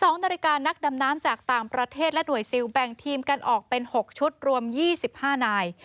๒นาฬิกานักดำน้ำจากต่างประเทศและหน่วยซิลแบ่งทีมกันออกเป็น๖ชุดรวม๒๕นาย